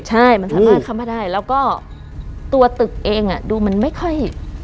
ใช่มันสามารถเข้ามาได้แล้วก็ตัวตึกเองดูมันไม่ค่อย